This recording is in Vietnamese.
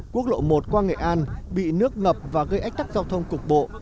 quốc lộ một qua nghệ an bị nước ngập và gây ách tắc giao thông cục bộ